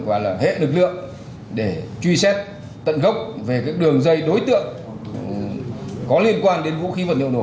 và là hệ lực lượng để truy xét tận gốc về các đường dây đối tượng có liên quan đến vũ khí vật liệu đổ công cụ